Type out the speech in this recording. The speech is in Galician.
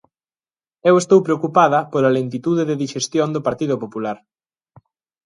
Eu estou preocupada pola lentitude de dixestión do Partido Popular.